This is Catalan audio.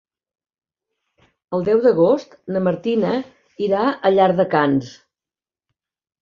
El deu d'agost na Martina irà a Llardecans.